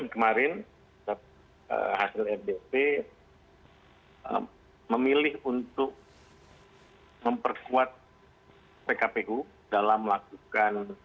kemarin hasil fbp memilih untuk memperkuat pkpw dalam melakukan